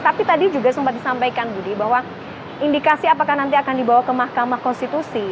tapi tadi juga sempat disampaikan budi bahwa indikasi apakah nanti akan dibawa ke mahkamah konstitusi